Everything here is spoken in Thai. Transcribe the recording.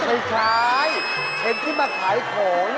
ไอ้ชายเห็นที่มาขายของเนี่ย